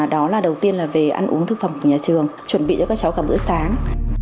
đó là đầu tiên là về ăn uống thực phẩm của nhà trường chuẩn bị cho các cháu cả bữa sáng